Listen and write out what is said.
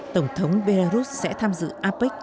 tổng thống belarus sẽ tham dự apec hai nghìn hai mươi một